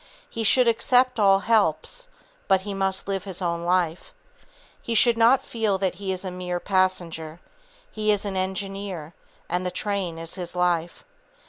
He should accept all helps, but, he must live his own life. He should not feel that he is a mere passenger; he is the engineer, and the train is his life.